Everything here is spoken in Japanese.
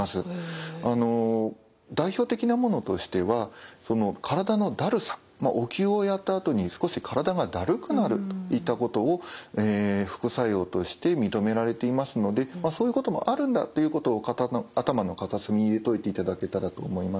代表的なものとしては体のだるさお灸をやったあとに少し体がだるくなるといったことを副作用として認められていますのでそういうこともあるんだということを頭の片隅に入れておいていただけたらと思います。